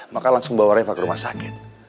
maka langsung bawa rempah ke rumah sakit